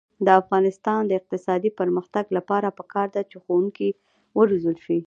د افغانستان د اقتصادي پرمختګ لپاره پکار ده چې ښوونکي وروزل شي.